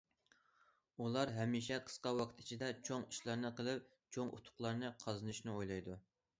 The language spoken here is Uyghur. ئۇلار ھەمىشە قىسقا ۋاقىت ئىچىدە چوڭ ئىشلارنى قىلىپ، چوڭ ئۇتۇقلارنى قازىنىشنى ئويلايدۇ.